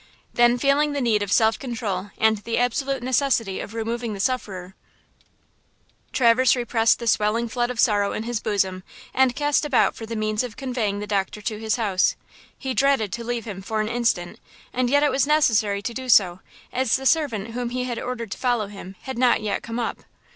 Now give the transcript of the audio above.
Then feeling the need of self control and the absolute necessity of removing the sufferer, Traverse repressed the swelling flood of sorrow in his bosom and cast about for the means of conveying the doctor to his house. He dreaded to leave him for an instant, and yet it was necessary to do so, as the servant whom he had ordered to follow him had not yet come up.